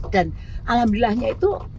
dan alhamdulillahnya itu